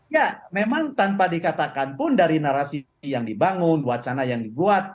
ya memang tanpa dikatakan pun dari narasi yang dibangun wacana yang dibuat